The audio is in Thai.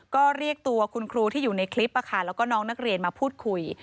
ก็เรียกตัวคุณครูที่อยู่ในคลิปแล้วก็น้องนักเรียนมาพูดคุย